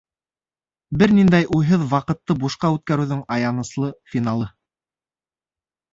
Бер ниндәй уйһыҙ ваҡытты бушҡа үткәреүҙең аяныслы финалы.